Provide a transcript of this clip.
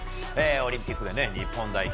オリンピックで日本代表